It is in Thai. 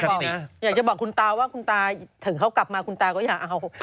แต่จะบอกคุณตาว่าถึงเขากลับมาคุณตาก็อย่าเอา